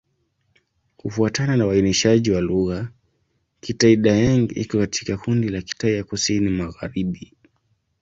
Kufuatana na uainishaji wa lugha, Kitai-Daeng iko katika kundi la Kitai ya Kusini-Magharibi.